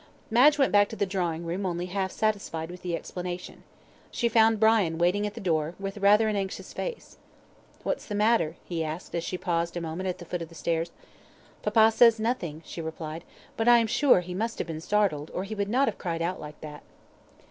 Madge went back to the drawing room only half satisfied with the explanation. She found Brian waiting at the door, with rather an anxious face. "What's the matter?" he asked, as she paused a moment at the foot of the stairs. "Papa says nothing," she replied, "but I am sure he must have been startled, or he would not have cried out like that."